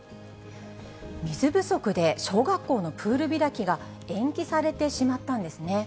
水不足で小学校のプール開きが延期されてしまったんですね。